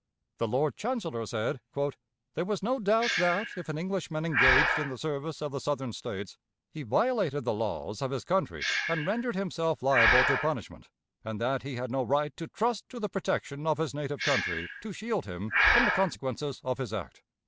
The Lord Chancellor said: "There was no doubt that, if an Englishman engaged in the service of the Southern States, he violated the laws of his country and rendered himself liable to punishment, and that he had no right to trust to the protection of his native country to shield him from the consequences of his act.